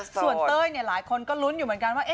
ส่วนเต้ยหลายคนก็ลุ้นอยู่เหมือนกันว่า